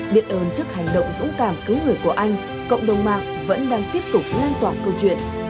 biệt ơn trước hành động dũng cảm cứu người của anh cộng đồng mạng vẫn đang tiếp tục lan tỏa câu chuyện